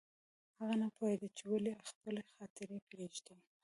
هغه نه پوهېده چې ولې خپلې خاطرې پرېږدي